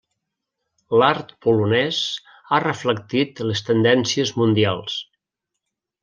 L'art polonès ha reflectit les tendències mundials.